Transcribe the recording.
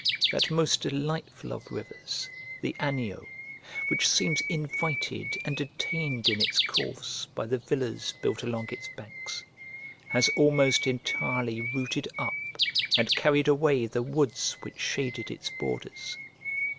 That most delightful of rivers, the Anio, which seems invited and detained in its course by the villas built along its banks, has almost entirely rooted up and carried away the woods which shaded its borders.